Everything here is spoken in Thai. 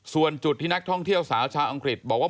ส่วนจุดที่นักท่องเที่ยวสาวชาวอังกฤษบอกว่า